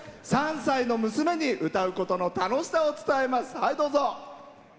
３歳の娘に歌うことの楽しさを伝えます。